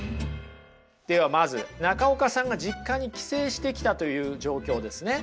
ではまず中岡さんが実家に帰省してきたという状況ですね。